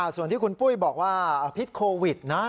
ส่วนที่คุณปุ้ยบอกว่าพิษโควิดนะ